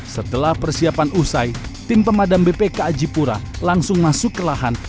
setelah persiapan usai tim pemadam bpk ajipura langsung masuk ke lahan